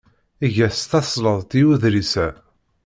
Eg-as tasleḍt i uḍris-a.